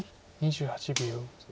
２８秒。